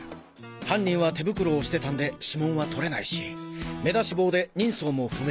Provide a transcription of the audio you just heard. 犯人は手袋をしてたんで指紋は採れないし目出し帽で人相も不明。